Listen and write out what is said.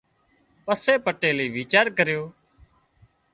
پسي پٽيلئي ويچار ڪريو